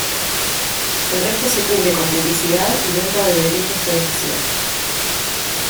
El resto se cubre con publicidad y venta de derechos de emisión.